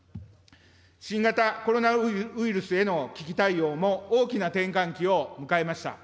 新型コロナウイルスへの危機対応も、大きな転換期を迎えました。